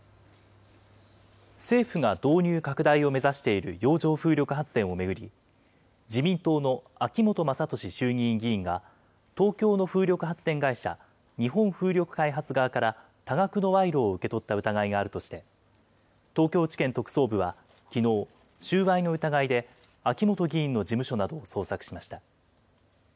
政府が導入拡大を目指している洋上風力発電を巡り、自民党の秋本真利衆議院議員が、東京の風力発電会社、日本風力開発側から多額の賄賂を受け取った疑いがあるとして、東京地検特捜部はきのう、収賄の疑いで秋本議員の事務所などを捜索しました。